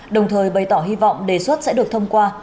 đồng thời bày tỏ hy vọng đề xuất sẽ được thông qua